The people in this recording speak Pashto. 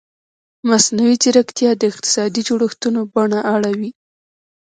مصنوعي ځیرکتیا د اقتصادي جوړښتونو بڼه اړوي.